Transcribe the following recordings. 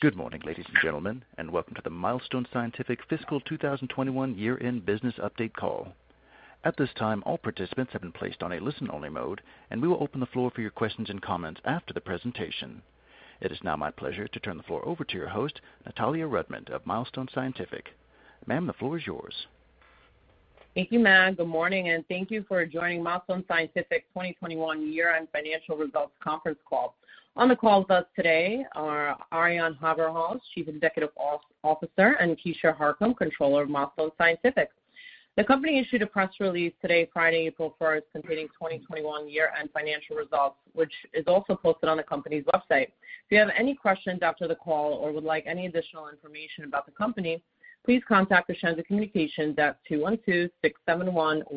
Good morning, ladies and gentlemen, and welcome to the Milestone Scientific fiscal 2021 year-end business update call. At this time, all participants have been placed on a listen-only mode, and we will open the floor for your questions and comments after the presentation. It is now my pleasure to turn the floor over to your host, Natalya Rudman of Milestone Scientific. Ma'am, the floor is yours. Thank you, Matt. Good morning, and thank you for joining Milestone Scientific 2021 year-end financial results conference call. On the call with us today are Arjan Haverhals, Chief Executive Officer, and Keisha Harcum, Controller of Milestone Scientific. The company issued a press release today, Friday, April 1st, containing 2021 year-end financial results, which is also posted on the company's website. If you have any questions after the call or would like any additional information about the company, please contact Crescendo Communications at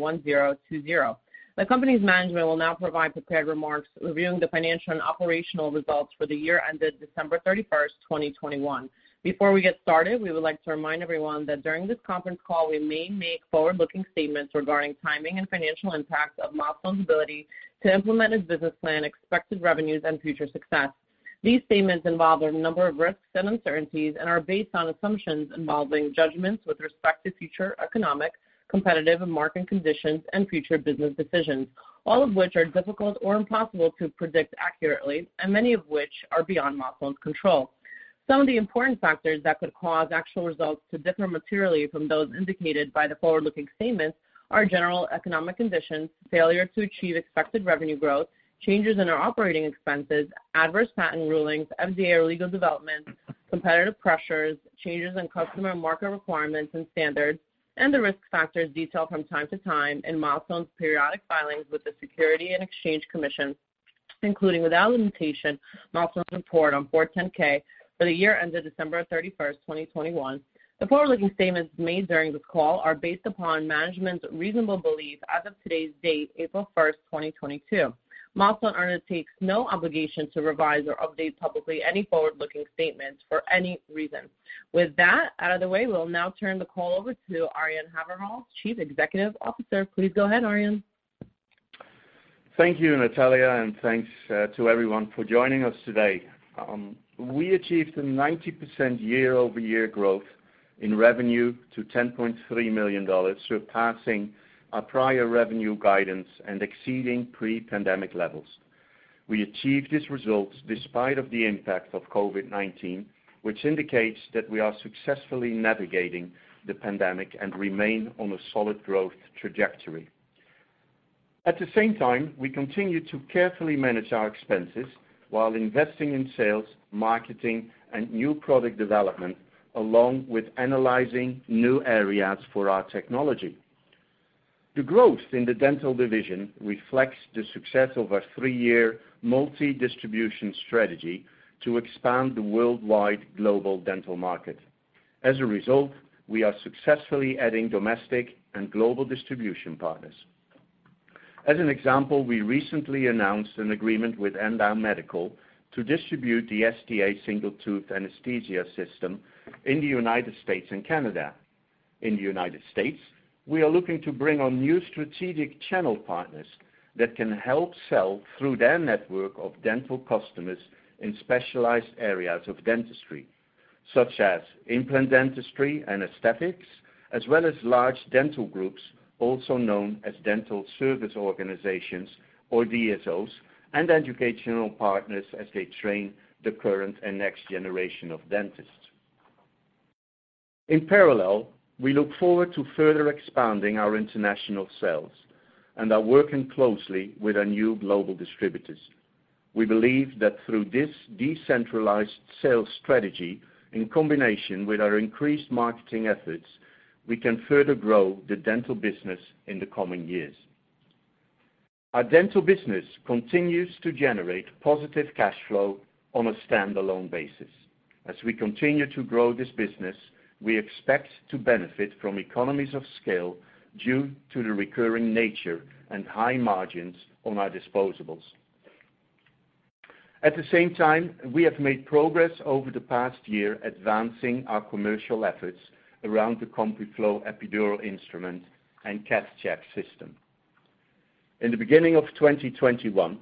212-671-1020. The company's management will now provide prepared remarks reviewing the financial and operational results for the year ended December 31st, 2021. Before we get started, we would like to remind everyone that during this conference call, we may make forward-looking statements regarding timing and financial impact of Milestone's ability to implement its business plan, expected revenues, and future success. These statements involve a number of risks and uncertainties and are based on assumptions involving judgments with respect to future economic, competitive, and market conditions and future business decisions, all of which are difficult or impossible to predict accurately and many of which are beyond Milestone's control. Some of the important factors that could cause actual results to differ materially from those indicated by the forward-looking statements are general economic conditions, failure to achieve expected revenue growth, changes in our operating expenses, adverse patent rulings, FDA or legal developments, competitive pressures, changes in customer market requirements and standards, and the risk factors detailed from time to time in Milestone's periodic filings with the Securities and Exchange Commission, including, without limitation, Milestone's report on Form 10-K for the year ended December 31st, 2021. The forward-looking statements made during this call are based upon management's reasonable belief as of today's date, April 1st, 2022. Milestone undertakes no obligation to revise or update publicly any forward-looking statements for any reason. With that out of the way, we'll now turn the call over to Arjan Haverhals, Chief Executive Officer. Please go ahead, Arjan. Thank you, Natalya, and thanks to everyone for joining us today. We achieved some 90% year-over-year growth in revenue to $10.3 million, surpassing our prior revenue guidance and exceeding pre-pandemic levels. We achieved these results despite of the impact of COVID-19, which indicates that we are successfully navigating the pandemic and remain on a solid growth trajectory. At the same time, we continue to carefully manage our expenses while investing in sales, marketing, and new product development, along with analyzing new areas for our technology. The growth in the dental division reflects the success of our three-year multi-distribution strategy to expand the worldwide global dental market. As a result, we are successfully adding domestic and global distribution partners. As an example, we recently announced an agreement with Andau Medical to distribute the STA Single Tooth Anesthesia System in the United States and Canada. In the United States, we are looking to bring on new strategic channel partners that can help sell through their network of dental customers in specialized areas of dentistry, such as implant dentistry, anesthetics, as well as large dental groups, also known as dental service organizations or DSOs, and educational partners as they train the current and next generation of dentists. In parallel, we look forward to further expanding our international sales and are working closely with our new global distributors. We believe that through this decentralized sales strategy, in combination with our increased marketing efforts, we can further grow the dental business in the coming years. Our dental business continues to generate positive cash flow on a standalone basis. As we continue to grow this business, we expect to benefit from economies of scale due to the recurring nature and high margins on our disposables. At the same time, we have made progress over the past year advancing our commercial efforts around the CompuFlo Epidural instrument and CathCheck system. In the beginning of 2021,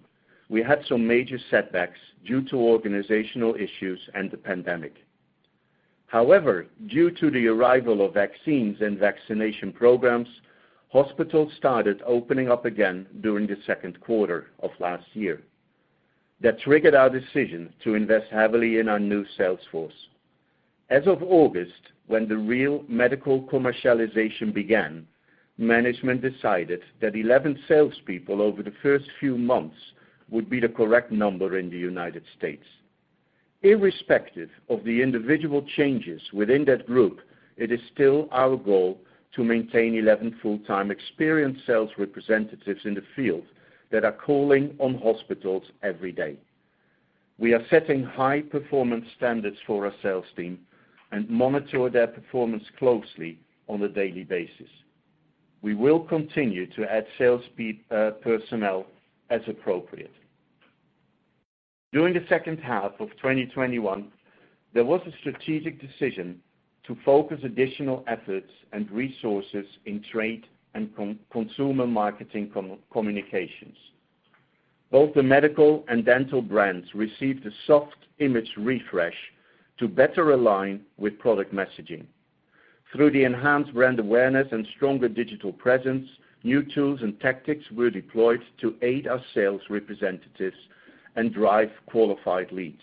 we had some major setbacks due to organizational issues and the pandemic. However, due to the arrival of vaccines and vaccination programs, hospitals started opening up again during the second quarter of last year. That triggered our decision to invest heavily in our new sales force. As of August, when the real medical commercialization began, management decided that 11 salespeople over the first few months would be the correct number in the United States. Irrespective of the individual changes within that group, it is still our goal to maintain 11 full-time experienced sales representatives in the field that are calling on hospitals every day. We are setting high-performance standards for our sales team and monitor their performance closely on a daily basis. We will continue to add sales personnel as appropriate. During the second half of 2021. There was a strategic decision to focus additional efforts and resources in trade and consumer marketing communications. Both the medical and dental brands received a soft image refresh to better align with product messaging. Through the enhanced brand awareness and stronger digital presence, new tools and tactics were deployed to aid our sales representatives and drive qualified leads.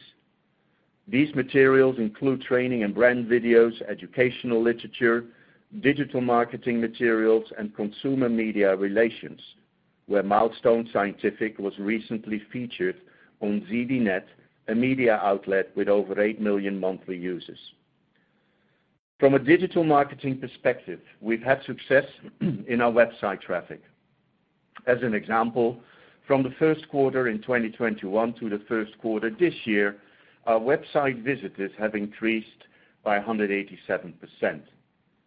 These materials include training and brand videos, educational literature, digital marketing materials, and consumer media relations, where Milestone Scientific was recently featured on ZDNET, a media outlet with over 8 million monthly users. From a digital marketing perspective, we've had success in our website traffic. As an example, from the first quarter in 2021 through the first quarter this year, our website visitors have increased by 187%.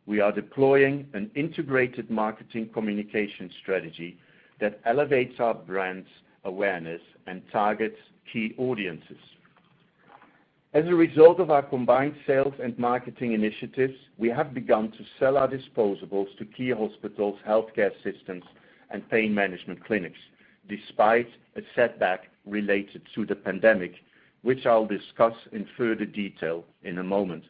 We are deploying an integrated marketing communication strategy that elevates our brand's awareness and targets key audiences. As a result of our combined sales and marketing initiatives, we have begun to sell our disposables to key hospitals, healthcare systems and pain management clinics, despite a setback related to the pandemic, which I'll discuss in further detail in a moment.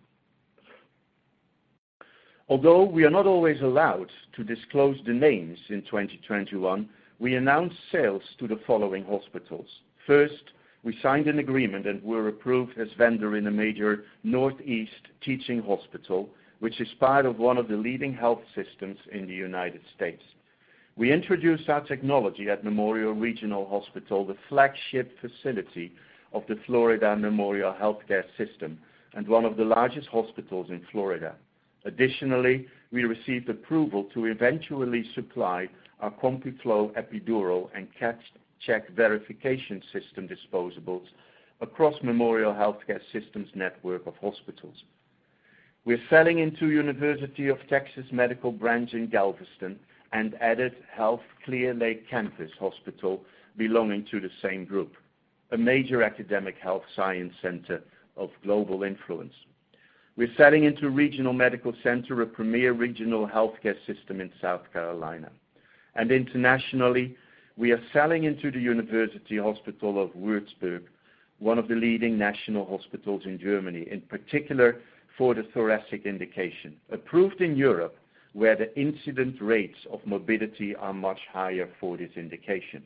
Although we are not always allowed to disclose the names in 2021, we announced sales to the following hospitals. First, we signed an agreement and were approved as vendor in a major Northeast teaching hospital, which is part of one of the leading health systems in the United States. We introduced our technology at Memorial Regional Hospital, the flagship facility of the Memorial Healthcare System, and one of the largest hospitals in Florida. Additionally, we received approval to eventually supply our CompuFlo Epidural and CathCheck Verification System disposables across Memorial Healthcare System's network of hospitals. We're selling into University of Texas Medical Branch in Galveston and added Health Clear Lake Campus Hospital belonging to the same group, a major academic health science center of global influence. We're selling into Regional Medical Center, a premier regional healthcare system in South Carolina. Internationally, we are selling into the University Hospital of Würzburg, one of the leading national hospitals in Germany, in particular for the thoracic indication. Approved in Europe, where the incidence rates of morbidity are much higher for this indication.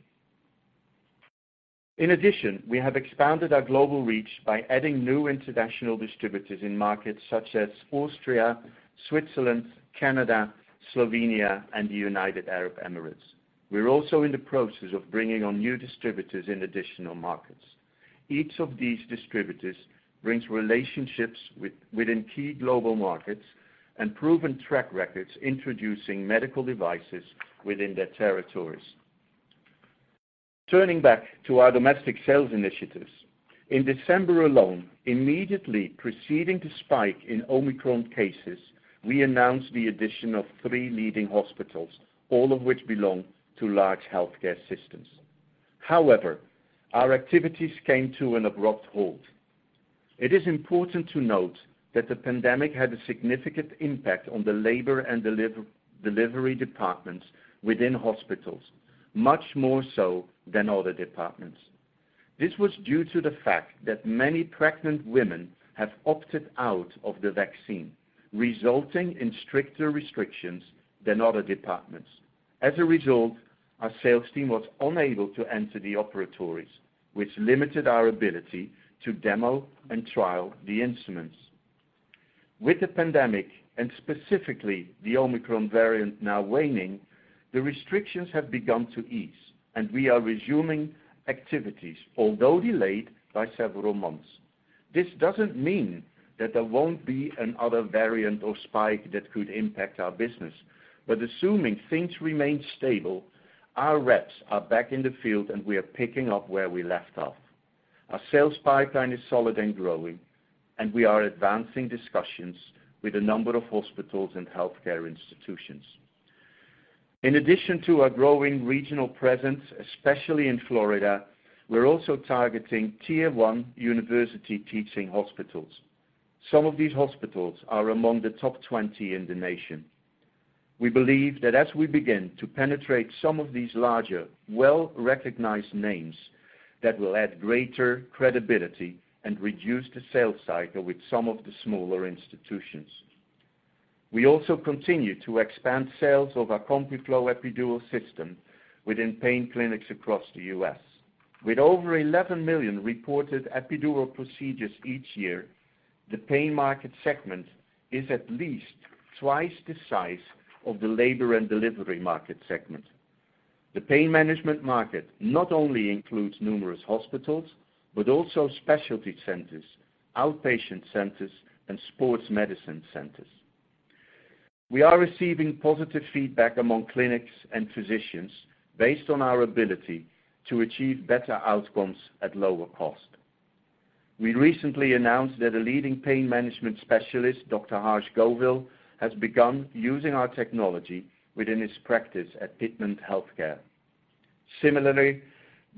In addition, we have expanded our global reach by adding new international distributors in markets such as Austria, Switzerland, Canada, Slovenia and the United Arab Emirates. We're also in the process of bringing on new distributors in additional markets. Each of these distributors brings relationships within key global markets and proven track records, introducing medical devices within their territories. Turning back to our domestic sales initiatives. In December alone, immediately preceding the spike in Omicron cases, we announced the addition of three leading hospitals, all of which belong to large healthcare systems. However, our activities came to an abrupt halt. It is important to note that the pandemic had a significant impact on the labor and delivery departments within hospitals, much more so than other departments. This was due to the fact that many pregnant women have opted out of the vaccine, resulting in stricter restrictions than other departments. As a result, our sales team was unable to enter the operatories, which limited our ability to demo and trial the instruments. With the pandemic and specifically the Omicron variant now waning, the restrictions have begun to ease, and we are resuming activities, although delayed by several months. This doesn't mean that there won't be another variant or spike that could impact our business. Assuming things remain stable, our reps are back in the field, and we are picking up where we left off. Our sales pipeline is solid and growing, and we are advancing discussions with a number of hospitals and healthcare institutions. In addition to our growing regional presence, especially in Florida, we're also targeting tier one university teaching hospitals. Some of these hospitals are among the top 20 in the nation. We believe that as we begin to penetrate some of these larger, well-recognized names, that will add greater credibility and reduce the sales cycle with some of the smaller institutions. We also continue to expand sales of our CompuFlo Epidural System within pain clinics across the U.S. With over 11 million reported epidural procedures each year, the pain market segment is at least twice the size of the labor and delivery market segment. The pain management market not only includes numerous hospitals, but also specialty centers, outpatient centers, and sports medicine centers. We are receiving positive feedback among clinics and physicians based on our ability to achieve better outcomes at lower cost. We recently announced that a leading pain management specialist, Dr. Harsh Govil, has begun using our technology within his practice at Piedmont HealthCare. Similarly,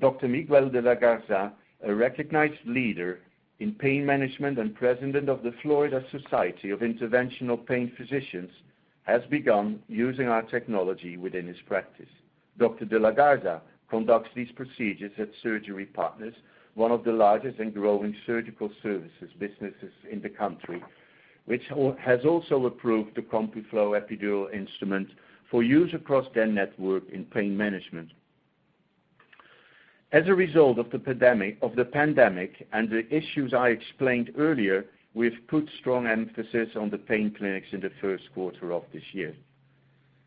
Dr. Miguel de la Garza, a recognized leader in pain management and president of the Florida Society of Interventional Pain Physicians, has begun using our technology within his practice. Dr. de la Garza conducts these procedures at Surgery Partners, one of the largest and growing surgical services businesses in the country, which has also approved the CompuFlo Epidural instrument for use across their network in pain management. As a result of the pandemic and the issues I explained earlier, we've put strong emphasis on the pain clinics in the first quarter of this year.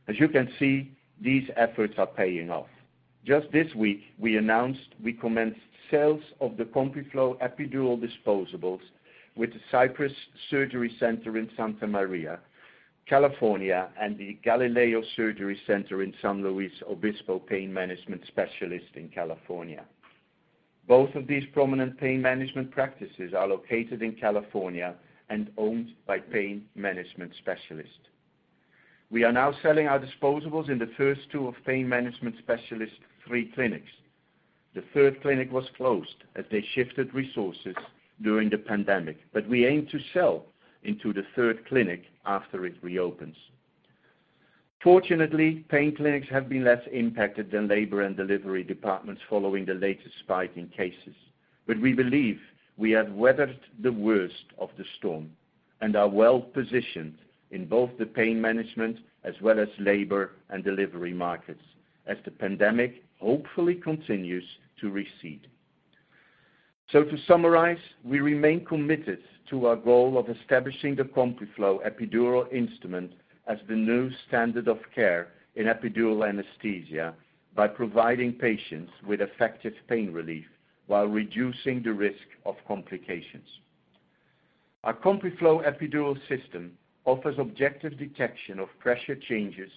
As you can see, these efforts are paying off. Just this week, we announced we commenced sales of the CompuFlo Epidural disposables with the Cypress Surgery Center in Santa Maria, California, and the Galileo Surgery Center in San Luis Obispo, Pain Management Specialist in California. Both of these prominent pain management practices are located in California and owned by Pain Management Specialist. We are now selling our disposables in the first two of Pain Management Specialist three clinics. The third clinic was closed as they shifted resources during the pandemic, but we aim to sell into the third clinic after it reopens. Fortunately, pain clinics have been less impacted than labor and delivery departments following the latest spike in cases. We believe we have weathered the worst of the storm and are well-positioned in both the pain management as well as labor and delivery markets as the pandemic hopefully continues to recede. To summarize, we remain committed to our goal of establishing the CompuFlo Epidural instrument as the new standard of care in epidural anesthesia by providing patients with effective pain relief while reducing the risk of complications. Our CompuFlo Epidural System offers objective detection of pressure changes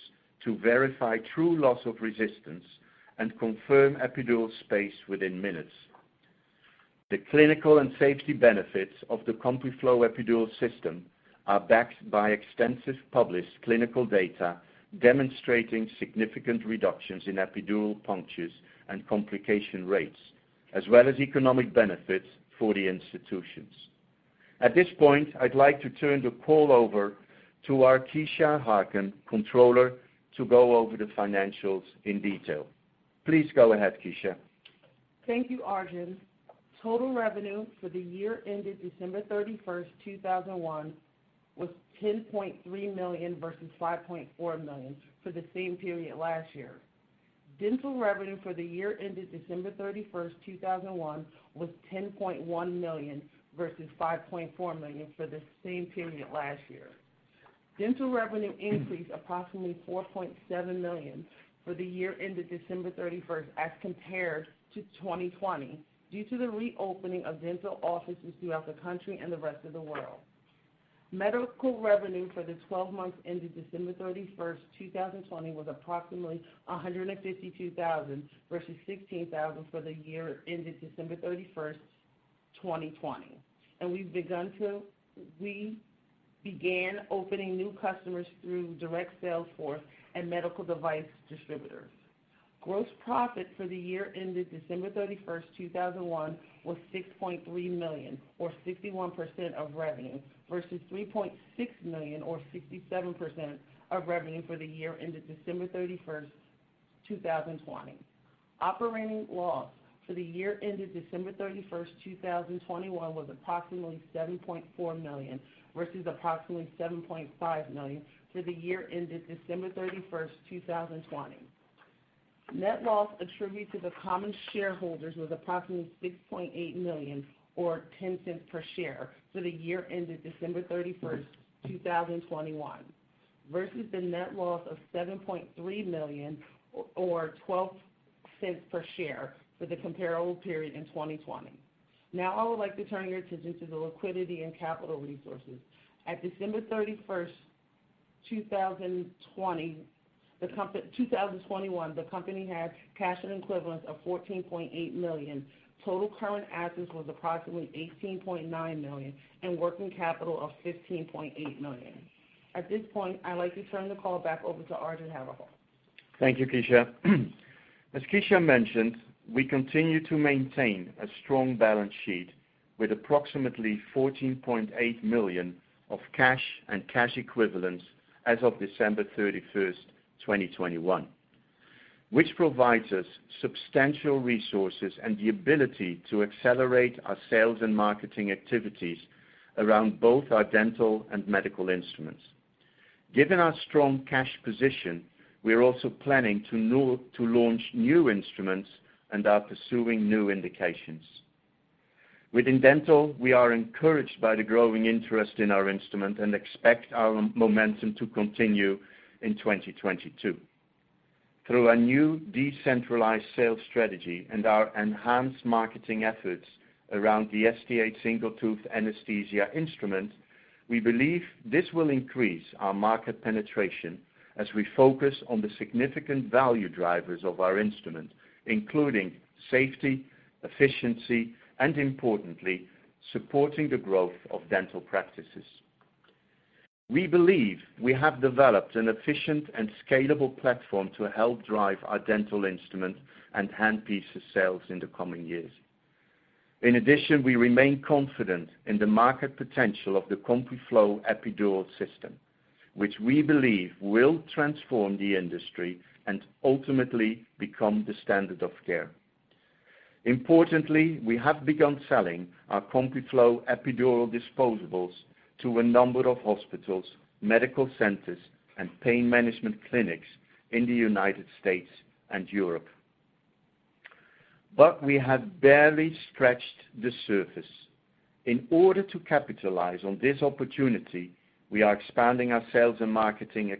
to verify true loss of resistance and confirm epidural space within minutes. The clinical and safety benefits of the CompuFlo Epidural System are backed by extensive published clinical data demonstrating significant reductions in epidural punctures and complication rates, as well as economic benefits for the institutions. At this point, I'd like to turn the call over to our Keisha Harcum, Controller, to go over the financials in detail. Please go ahead, Keisha. Thank you, Arjan. Total revenue for the year ended December 31st, 2021 was $10.3 million versus $5.4 million for the same period last year. Dental revenue for the year ended December 31st, 2021 was $10.1 million versus $5.4 million for the same period last year. Dental revenue increased approximately $4.7 million for the year ended December 31st, 2021 as compared to 2020 due to the reopening of dental offices throughout the country and the rest of the world. Medical revenue for the 12 months ended December 3st, 2020 was approximately $152,000 versus $16,000 for the year ended December 31st, 2020. We began opening new customers through direct sales force and medical device distributors. Gross profit for the year ended December 31st, 2021 was $6.3 million or 61% of revenue versus $3.6 million or 67% of revenue for the year ended December 31st, 2020. Operating loss for the year ended December 31st, 2021 was approximately $7.4 million versus approximately $7.5 million for the year ended December 31st, 2020. Net loss attributed to the common shareholders was approximately $6.8 million or $0.10 per share for the year ended December 31st, 2021 versus the net loss of $7.3 million or $0.12 per share for the comparable period in 2020. Now I would like to turn your attention to the liquidity and capital resources. At December 31st, 2021, the company had cash and equivalents of $14.8 million. Total current assets was approximately $18.9 million, and working capital of $15.8 million. At this point, I'd like to turn the call back over to Arjan Haverhals. Thank you, Keisha. As Keisha mentioned, we continue to maintain a strong balance sheet with approximately $14.8 million in cash and cash equivalents as of December 31st, 2021, which provides us substantial resources and the ability to accelerate our sales and marketing activities around both our dental and medical instruments. Given our strong cash position, we are also planning to launch new instruments and are pursuing new indications. Within dental, we are encouraged by the growing interest in our instrument and expect our momentum to continue in 2022. Through our new decentralized sales strategy and our enhanced marketing efforts around the STA Single Tooth Anesthesia instrument, we believe this will increase our market penetration as we focus on the significant value drivers of our instrument, including safety, efficiency, and importantly, supporting the growth of dental practices. We believe we have developed an efficient and scalable platform to help drive our dental instrument and handpiece sales in the coming years. In addition, we remain confident in the market potential of the CompuFlo Epidural System, which we believe will transform the industry and ultimately become the standard of care. Importantly, we have begun selling our CompuFlo Epidural disposables to a number of hospitals, medical centers, and pain management clinics in the United States and Europe. We have barely scratched the surface. In order to capitalize on this opportunity, we are expanding our sales and marketing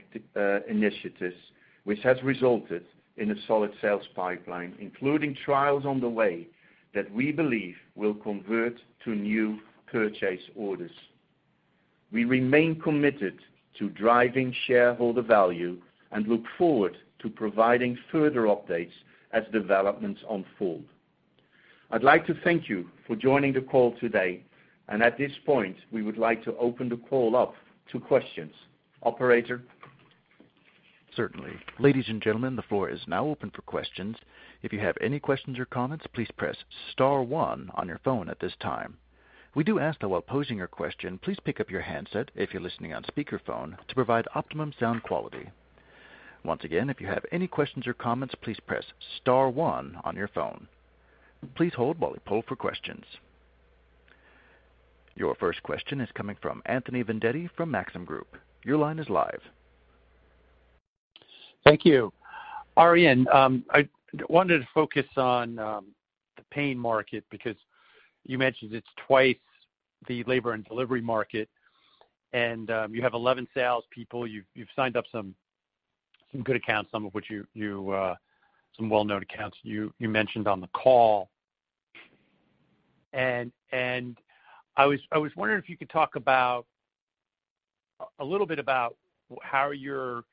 initiatives, which has resulted in a solid sales pipeline, including trials on the way that we believe will convert to new purchase orders. We remain committed to driving shareholder value and look forward to providing further updates as developments unfold. I'd like to thank you for joining the call today. At this point, we would like to open the call up to questions. Operator? Certainly. Ladies and gentlemen, the floor is now open for questions. If you have any questions or comments, please press star one on your phone at this time. We do ask that while posing your question, please pick up your handset if you're listening on speakerphone to provide optimum sound quality. Once again, if you have any questions or comments, please press star one on your phone. Please hold while we poll for questions. Your first question is coming from Anthony Vendetti from Maxim Group. Your line is live. Thank you. Arjan, I wanted to focus on the pain market because you mentioned it's twice the labor and delivery market, and you have 11 salespeople. You've signed up some good accounts, some of which you some well-known accounts you mentioned on the call. I was wondering if you could talk about a little bit about how you're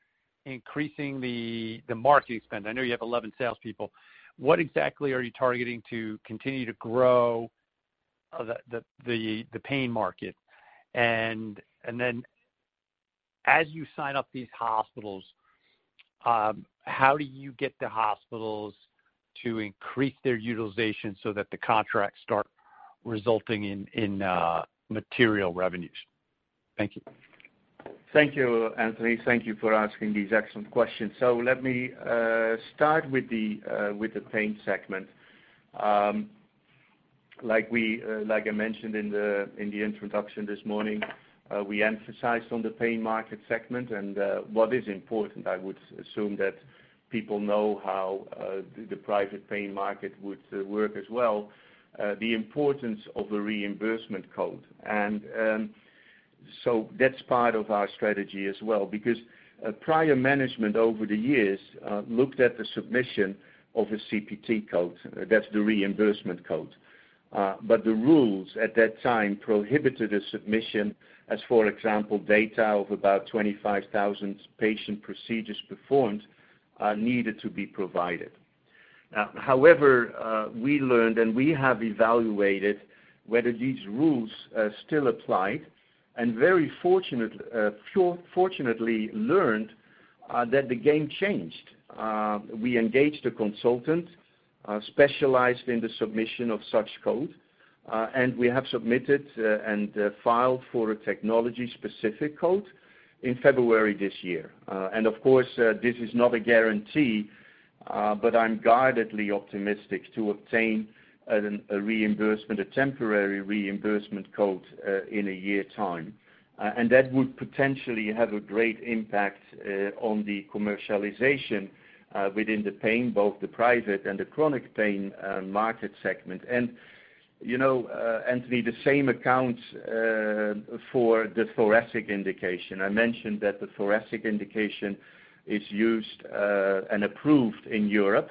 increasing the marketing spend. I know you have 11 salespeople. What exactly are you targeting to continue to grow the pain market? Then as you sign up these hospitals, how do you get the hospitals to increase their utilization so that the contracts start resulting in material revenues? Thank you. Thank you, Anthony. Thank you for asking these excellent questions. Let me start with the pain segment. Like I mentioned in the introduction this morning, we emphasized on the pain market segment. What is important, I would assume that people know how the private pain market would work as well, the importance of a reimbursement code. That's part of our strategy as well, because prior management over the years looked at the submission of a CPT code. That's the reimbursement code. The rules at that time prohibited a submission as, for example, data of about 25,000 patient procedures performed needed to be provided. Now, however, we learned and we have evaluated whether these rules still applied, and very fortunately learned that the game changed. We engaged a consultant specialized in the submission of such code, and we have submitted and filed for a technology-specific code in February this year. And of course, this is not a guarantee, but I'm guardedly optimistic to obtain a reimbursement, a temporary reimbursement code in a year time. And that would potentially have a great impact on the commercialization within the pain, both the private and the chronic pain market segment. You know, Anthony, the same accounts for the thoracic indication. I mentioned that the thoracic indication is used and approved in Europe.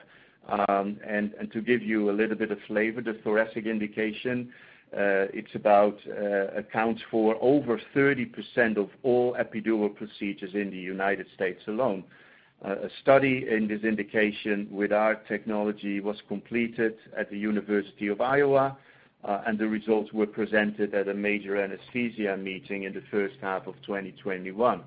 To give you a little bit of flavor, the thoracic indication accounts for over 30% of all epidural procedures in the United States alone. A study in this indication with our technology was completed at the University of Iowa, and the results were presented at a major anesthesia meeting in the first half of 2021.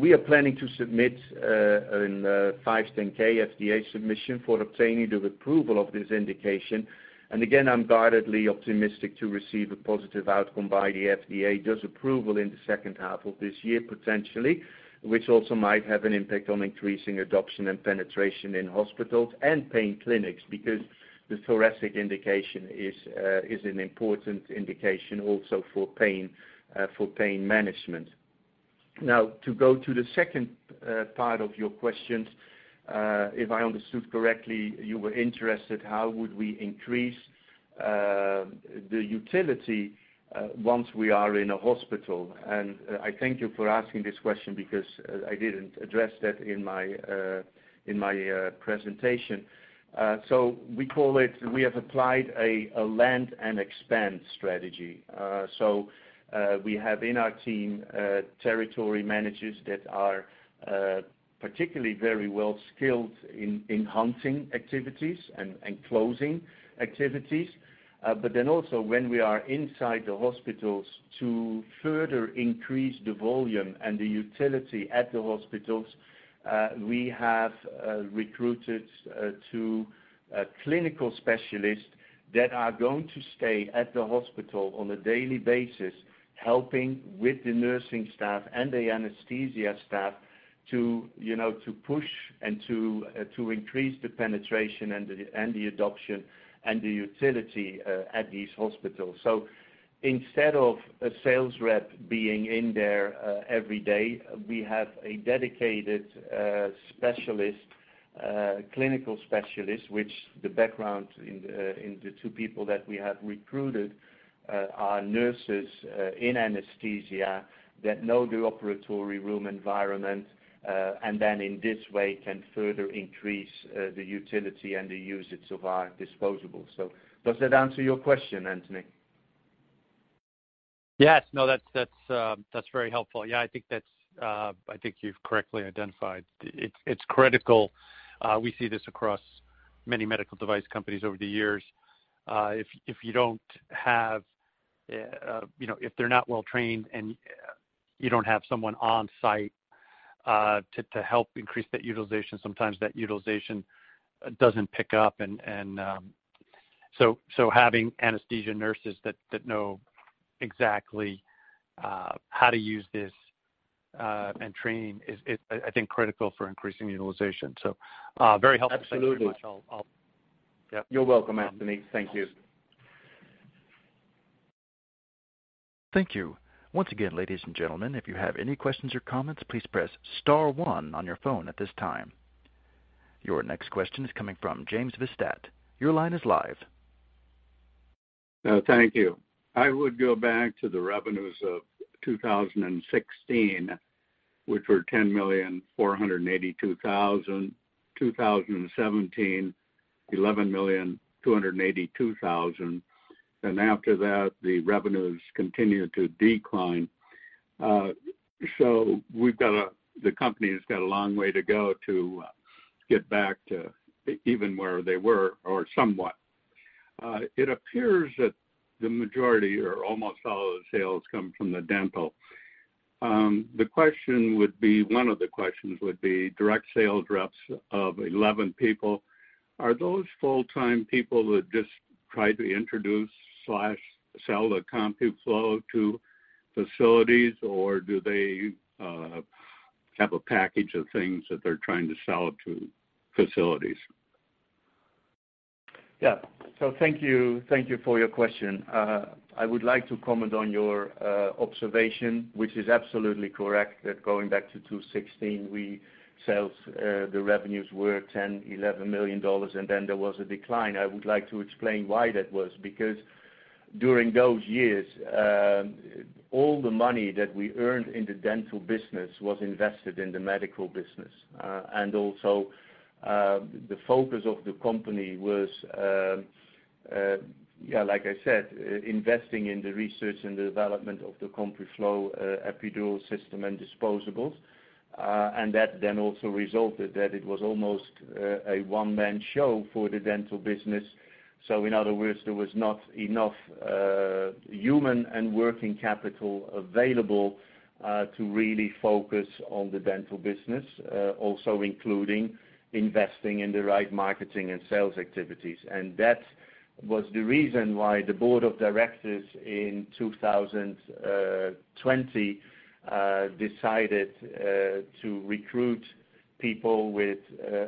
We are planning to submit a 510(k) FDA submission for obtaining the approval of this indication. I'm guardedly optimistic to receive a positive outcome by the FDA, thus approval in the second half of this year, potentially, which also might have an impact on increasing adoption and penetration in hospitals and pain clinics because the thoracic indication is an important indication also for pain management. Now to go to the second part of your question, if I understood correctly, you were interested how would we increase the utility once we are in a hospital. I thank you for asking this question because I didn't address that in my presentation. We have applied a land and expand strategy. We have in our team territory managers that are particularly very well skilled in hunting activities and closing activities. When we are inside the hospitals to further increase the volume and the utility at the hospitals, we have recruited two clinical specialists that are going to stay at the hospital on a daily basis, helping with the nursing staff and the anesthesia staff to, you know, to push and to increase the penetration and the adoption and the utility at these hospitals. Instead of a sales rep being in there every day, we have a dedicated clinical specialist with backgrounds in the two people that we have recruited are nurses in anesthesia that know the operating room environment and then in this way can further increase the utility and the usage of our disposables. Does that answer your question, Anthony? Yes. No, that's very helpful. Yeah, I think you've correctly identified. It's critical. We see this across many medical device companies over the years. If you don't have, you know, if they're not well-trained and you don't have someone on-site to help increase that utilization, sometimes that utilization doesn't pick up. Having anesthesia nurses that know exactly how to use this and training is, I think, critical for increasing utilization. Very helpful. Absolutely. Thank you very much. Yep. You're welcome, Anthony. Thank you. Thank you. Once again, ladies and gentlemen, if you have any questions or comments, please press star one on your phone at this time. Your next question is coming from James Vistat. Your line is live. Thank you. I would go back to the revenues of 2016, which were $10,482,000, 2017, $11,282,000. After that, the revenues continued to decline. The company has got a long way to go to get back to even where they were or somewhat. It appears that the majority or almost all of the sales come from the dental. The question would be, direct sales reps of 11 people, are those full-time people who just try to introduce/sell the CompuFlo to facilities, or do they have a package of things that they're trying to sell to facilities? Yeah. Thank you. Thank you for your question. I would like to comment on your observation, which is absolutely correct, that going back to 2016, our sales, the revenues were $10 million-$11 million, and then there was a decline. I would like to explain why that was. Because during those years, all the money that we earned in the dental business was invested in the medical business. And also, the focus of the company was, yeah, like I said, investing in the research and development of the CompuFlo Epidural system and disposables. And that then also resulted that it was almost a one-man show for the dental business. In other words, there was not enough human and working capital available to really focus on the dental business, also including investing in the right marketing and sales activities. That was the reason why the board of directors in 2020 decided to recruit people with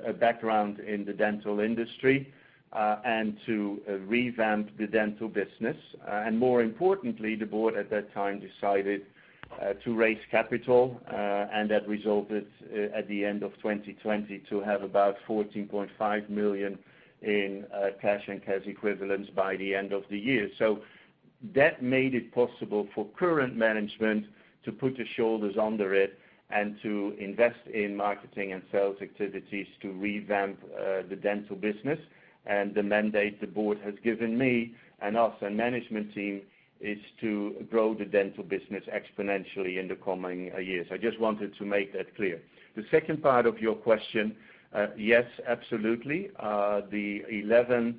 a background in the dental industry and to revamp the dental business. More importantly, the board at that time decided to raise capital, and that resulted at the end of 2020 to have about $14.5 million in cash and cash equivalents by the end of the year. That made it possible for current management to put their shoulders under it and to invest in marketing and sales activities to revamp the dental business. The mandate the board has given me and us and management team is to grow the dental business exponentially in the coming years. I just wanted to make that clear. The second part of your question, yes, absolutely. The 11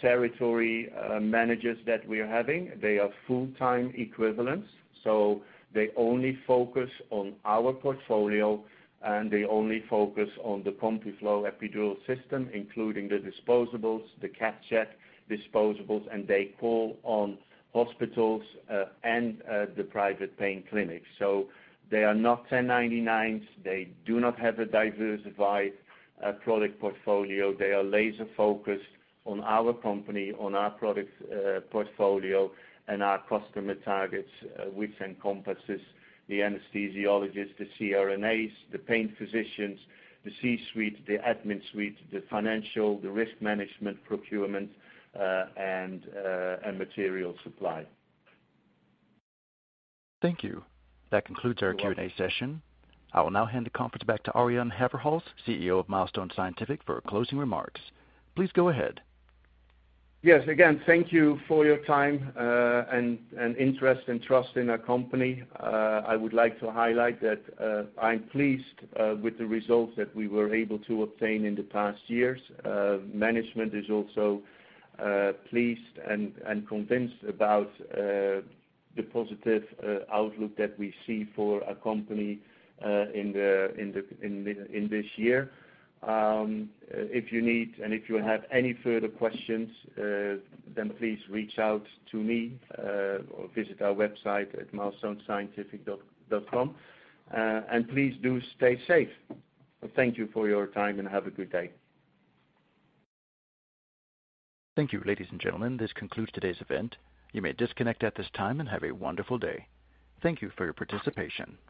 territory managers that we're having, they are full-time equivalents, so they only focus on our portfolio, and they only focus on the CompuFlo Epidural System, including the disposables, the CathCheck disposables, and they call on hospitals and the private pain clinics. So they are not 1099s. They do not have a diversified product portfolio. They are laser-focused on our company, on our product portfolio and our customer targets, which encompasses the anesthesiologists, the CRNAs, the pain physicians, the C-suite, the admin suite, the financial, the risk management, procurement, and material supply. Thank you. That concludes our Q&A session. I will now hand the conference back to Arjan Haverhals, CEO of Milestone Scientific, for closing remarks. Please go ahead. Yes. Again, thank you for your time, and interest and trust in our company. I would like to highlight that I'm pleased with the results that we were able to obtain in the past years. Management is also pleased and convinced about the positive outlook that we see for our company in this year. If you need and if you have any further questions, then please reach out to me, or visit our website at milestonescientific.com. Please do stay safe. Thank you for your time, and have a good day. Thank you. Ladies and gentlemen, this concludes today's event. You may disconnect at this time and have a wonderful day. Thank you for your participation.